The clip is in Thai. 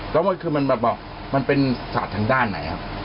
ก็คือมันเป็นศาสตร์ทางด้านไหนครับ